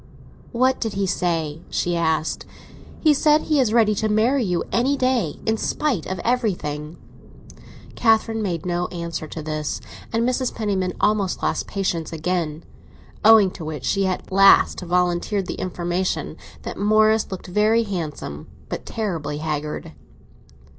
"What did he say?" she asked. "He said he is ready to marry you any day, in spite of everything." Catherine made no answer to this, and Mrs. Penniman almost lost patience again; owing to which she at last volunteered the information that Morris looked very handsome, but terribly haggard.